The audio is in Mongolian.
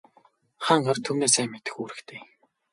Хаан ард түмнээ сайн мэдэх үүрэгтэй.